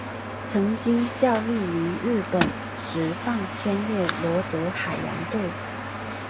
曾经效力于日本职棒千叶罗德海洋队。